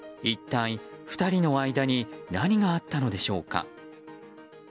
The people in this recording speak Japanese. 一体、２人の間に何があったのでしょうか。